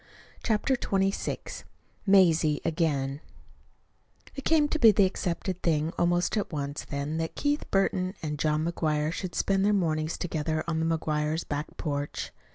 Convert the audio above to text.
CHAPTER XXVI MAZIE AGAIN It came to be the accepted thing almost at once, then, that Keith Burton and John McGuire should spend their mornings together on the McGuires' back porch.